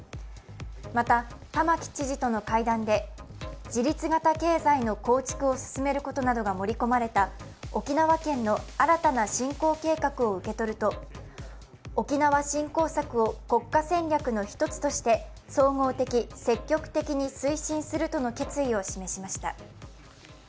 また玉城知事との会談で自立型経済の構築を進めることなどが盛り込まれた沖縄県の新たな振興計画を受け取ると沖縄振興策を国家戦略の１つとして総合的、積極的に推進するとの決意を示しました。